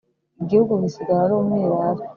Igihugu gisigara ari umwirare